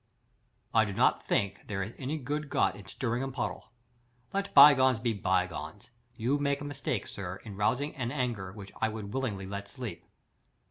"I do not think there is any good got in stirring a puddle. Let by gones be by gones. You make a mistake, sir, in rousing an anger which I would willingly let sleep."